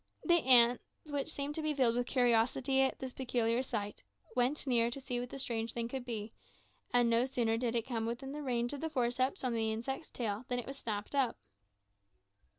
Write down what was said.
The ants, which seemed to be filled with curiosity at this peculiar sight, went near to see what the strange thing could be; and no sooner did one come within the range of the forceps on the insect's tail, than it was snapped up.